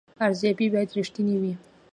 ارزیابي باید رښتینې وي